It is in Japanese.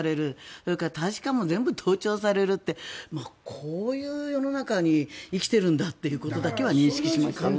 それから大使館も全部盗聴されるってこういう世の中に生きているんだということだけは認識しますよね。